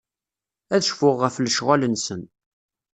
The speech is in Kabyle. Ad cfuɣ ɣef lecɣal-nsen.